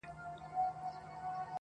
د خوار د ژوند كيسه ماتـه كړه.